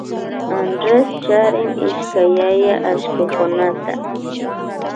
Andrés charin ishkay yaya allkukunata